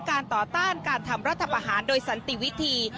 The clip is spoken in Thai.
ต่อต้านการทำรัฐประหารโดยสันติวิธี